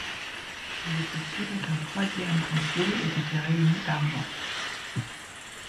Il est possible qu'un troisième concile ait été réuni par Jean.